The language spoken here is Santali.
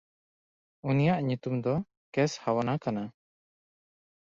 ᱩᱱᱤᱭᱟᱜ ᱧᱩᱛᱩᱢ ᱫᱚ ᱠᱮᱥᱦᱟᱣᱱᱟ ᱠᱟᱱᱟ᱾